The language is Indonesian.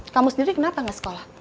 kamu sendiri kenapa nggak sekolah